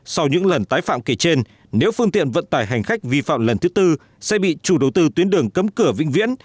sau những lần tái phạm kể trên nếu phương tiện vận tải hành khách vi phạm lần thứ tư sẽ bị chủ đầu tư tuyến đường cấm cửa vĩnh viễn